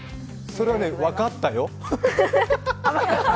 それはね、分かったよ。